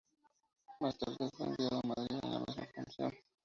Más tarde fue enviado a Madrid en la misma función.